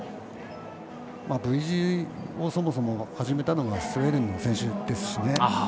Ｖ字をそもそも始めたのがスウェーデンの選手ですしね。